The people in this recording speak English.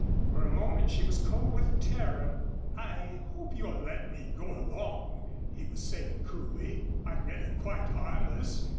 For a moment she was cold with terror. "I hope you'll let me go along," he was saying coolly, "I'm really quite harmless.